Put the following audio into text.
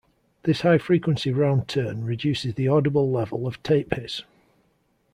This high-frequency round turn reduces the audible level of tape hiss.